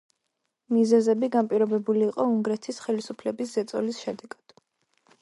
მიზეზები განპირობებული იყო უნგრეთის ხელისუფლების ზეწოლის შედეგად.